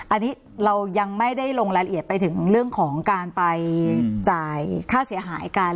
อันนี้เรายังไม่ได้ลงรายละเอียดไปถึงเรื่องของการไปจ่ายค่าเสียหายกัน